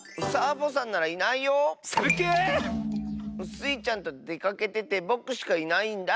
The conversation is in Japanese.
スイちゃんとでかけててぼくしかいないんだ。